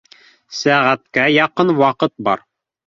Сәғәткә яҡын ваҡыт бар